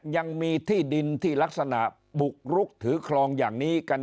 ยังมีที่ดินที่ลักษณะบุกรุกถือคลองอย่างนี้กัน